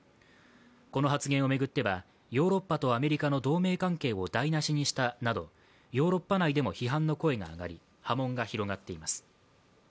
この発言を巡ってはヨーロッパとアメリカの同盟関係を台無しにしたなどとヨーロッパ内でも批判の声が上がり、波紋が広がっています。